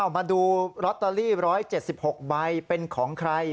มาดูลอตเตอรี่๑๗๖ใบเป็นของใคร